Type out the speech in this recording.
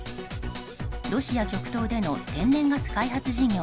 ロシア極東での天然ガス開発事業